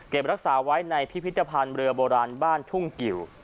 รักษาไว้ในพิพิธภัณฑ์เรือโบราณบ้านทุ่งกิว